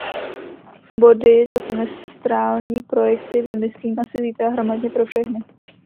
Body za semestrální projekty vymyslím asi zítra hromadně pro všechny.